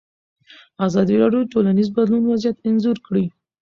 ازادي راډیو د ټولنیز بدلون وضعیت انځور کړی.